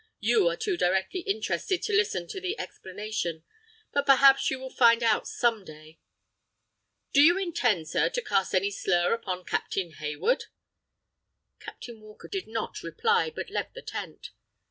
You are too directly interested to listen to the explanation. But, perhaps you will find out some day." "Do you intend, sir, to cast any slur upon Captain Hayward?" Captain Walker did not reply, but left the tent.